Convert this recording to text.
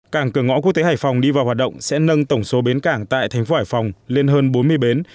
cảng cửa ngõ quốc tế hải phòng đi vào hoạt động sẽ nâng tổng số bến cảng tại thành phố hải phòng lên hơn bốn mươi bến